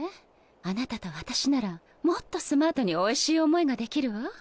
あなたと私ならもっとスマートにおいしい思いができるわ。